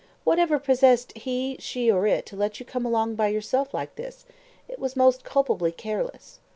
Whatever possessed he, she, or it, to let you come along by yourself like this? It was most culpably careless."